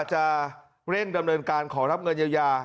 จะเร่งดำเนินการขอรับเงินเยียวยา